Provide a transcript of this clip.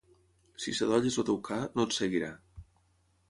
Si sadolles el teu ca, no et seguirà.